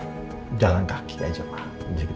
assalamualaikum warahmat adult